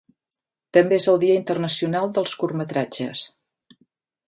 També és el dia internacional dels curtmetratges.